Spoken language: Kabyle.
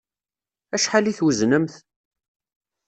Acḥal i tweznemt?